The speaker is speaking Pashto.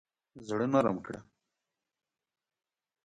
زړه نرم کړه.